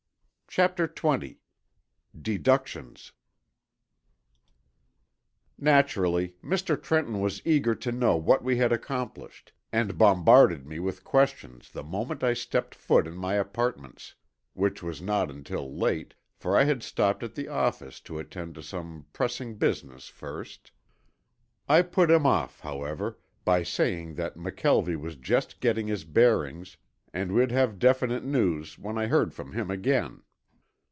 CHAPTER XX DEDUCTIONS Naturally, Mr. Trenton was eager to know what we had accomplished and bombarded me with questions the moment I stepped foot in my apartments, which was not until late, for I had stopped at the office to attend to some pressing business first. I put him off, however, by saying that McKelvie was just getting his bearings and we'd have definite news when I heard from him again.